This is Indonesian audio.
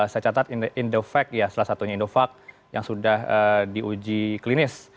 saya catat indovac ya salah satunya indovac yang sudah diuji klinis